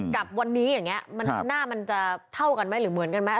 กับวันนี้อย่างนี้หน้ามันจะเท่ากันไหมหรือเหมือนกันไหม